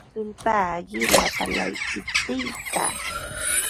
Yusulpaaqi lapalaykitsikta.